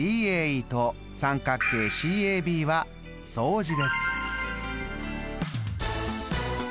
ＤＡＥと三角形ＣＡＢは相似です。